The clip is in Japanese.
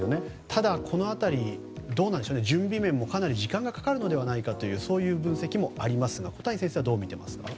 ただ、この辺りどうなんでしょう準備面もかなり時間がかかるのではないかというそういう分析もありますが小谷先生はどう見ていますか？